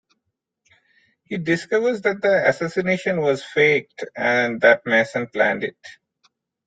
He discovers that the assassination was faked and that Mason planned it.